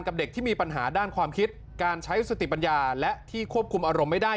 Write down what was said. เด็กที่มีปัญหาด้านความคิดการใช้สติปัญญาและที่ควบคุมอารมณ์ไม่ได้